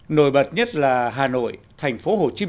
nổi bật nhất là hà nội thành phố hồ chí minh